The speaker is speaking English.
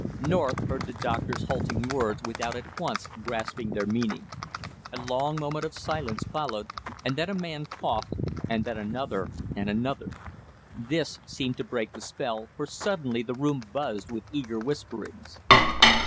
North heard the doctor's halting words without at once grasping their meaning. A long moment of silence followed, and then a man coughed, and then another, and another; this seemed to break the spell, for suddenly the room buzzed with eager whisperings.